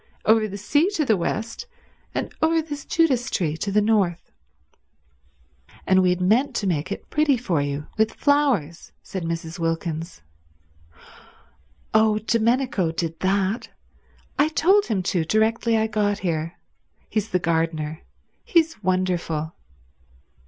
Over the sea to the west, and over this Judas tree to the north." "And we had meant to make it pretty for you with flowers," said Mrs. Wilkins. "Oh, Domenico did that. I told him to directly I got here. He's the gardener. He's wonderful."